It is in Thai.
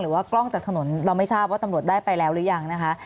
ว่ากล้องจากถนนเราไม่ทราบว่าตำรวจได้ไปแล้วหรือยังนะคะ